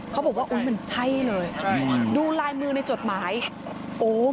บอกว่าอุ้ยมันใช่เลยดูลายมือในจดหมายโอ้